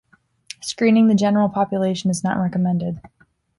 Screening the general population is not recommended.